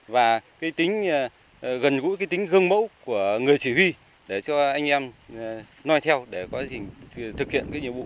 và cái tính gần gũi cái tính gương mẫu của người chỉ huy để cho anh em nói theo để quá trình thực hiện cái nhiệm vụ